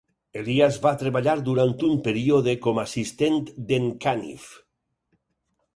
Elias va treballar durant un període com assistent de"n Caniff.